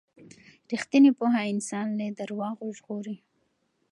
ریښتینې پوهه انسان له درواغو ژغوري.